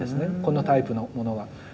このタイプのものは。